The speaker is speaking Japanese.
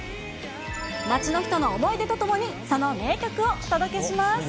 街の人の思い出と共にその名曲をお届けします。